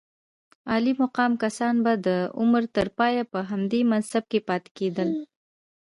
عالي مقام کسان به د عمر تر پایه په همدې منصب کې پاتې کېدل.